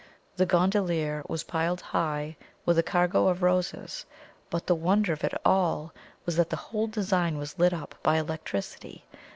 The gondolier was piled high with a cargo of roses; but the wonder of it all was, that the whole design was lit up by electricity.